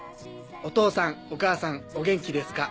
「お父さんお母さんお元気ですか。